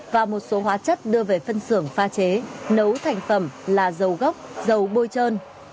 và một số hóa chất đưa về phân xưởng pha chế nấu thành phẩm là dầu gốc dầu bôi trơn